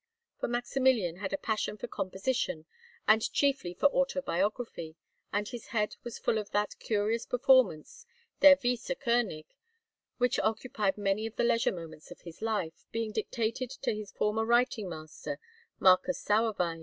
For Maximilian had a passion for composition, and chiefly for autobiography, and his head was full of that curious performance, Der Weisse König, which occupied many of the leisure moments of his life, being dictated to his former writing master, Marcus Sauerwein.